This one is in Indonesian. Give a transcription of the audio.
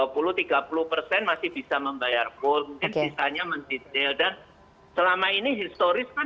dua puluh tiga puluh persen masih bisa membayar full mungkin sisanya mendetail dan selama ini historis kan